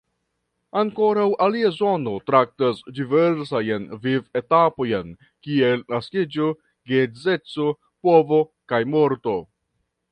Ankoraŭ alia zono traktas diversajn vivo-etapojn kiel naskiĝo, geedzeco, povo kaj morto.